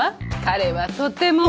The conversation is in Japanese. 彼はとても。